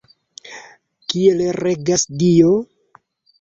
Kiel regas Dio?